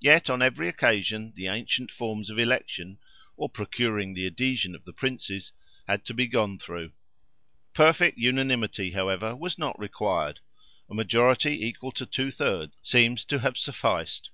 Yet on every occasion, the ancient forms of election, (or procuring the adhesion of the Princes), had to be gone through. Perfect unanimity, however, was not required; a majority equal to two thirds seems to have sufficed.